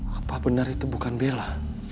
apa benar itu bukan bela